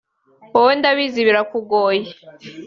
wowe ndabizi birakugoye